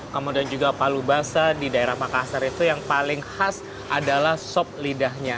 kemudian juga palu basah di daerah makassar itu yang paling khas adalah sop lidahnya